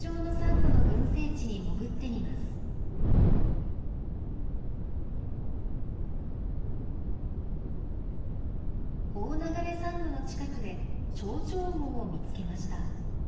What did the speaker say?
オオナガレサンゴの近くでチョウチョウウオを見つけました。